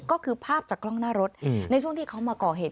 ก็คือภาพจากกล้องหน้ารถในช่วงที่เขามาก่อเหตุ